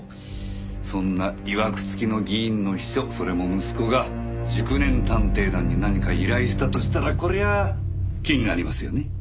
そんないわく付きの議員の秘書それも息子が熟年探偵団に何か依頼したとしたらこりゃあ気になりますよね。